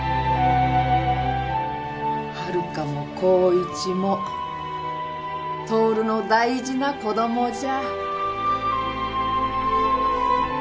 春香も光一も徹の大事な子供じゃ。